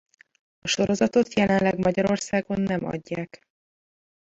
A sorozatot jelenleg Magyarországon nem adják.